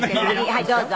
「はい。どうぞ」